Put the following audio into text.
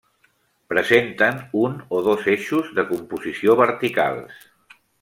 Presenten un o dos eixos de composició verticals.